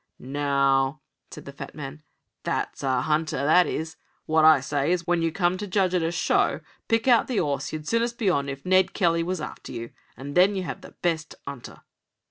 "Now," said the fat man, "that's a 'unter, that is. What I say is, when you come to judge at a show, pick out the 'orse you'd soonest be on if Ned Kelly was after you, and there you have the best 'unter."